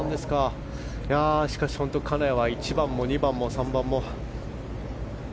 しかし、金谷は１番も２番も３番も。